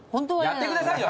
やってくださいよ！